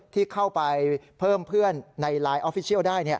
ที่เข้าไปเพิ่มเพื่อนในไลน์ออฟฟิเชียลได้